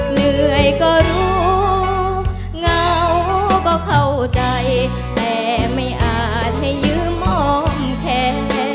เหนื่อยก็รู้เหงาก็เข้าใจแต่ไม่อาจให้ยืมมองแค่